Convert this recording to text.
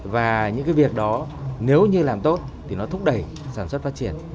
và những cái việc đó nếu như làm tốt thì nó thúc đẩy sản xuất phát triển